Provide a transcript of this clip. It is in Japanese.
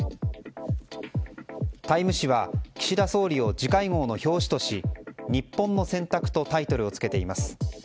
「タイム」誌は岸田総理を次回号の表紙とし「日本の選択」というタイトルをつけています。